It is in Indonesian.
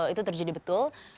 itu terjadi betul